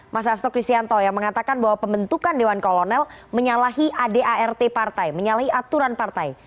mas hasto kristianto yang mengatakan bahwa pembentukan dewan kolonel menyalahi adart partai menyalahi aturan partai